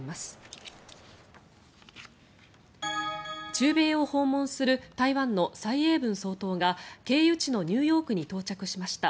中米を訪問する台湾の蔡英文総統が経由地のニューヨークに到着しました。